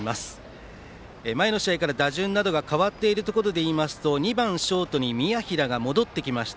前の試合から打順などが変わっているところで言いますと２番ショートに宮平が戻ってきました。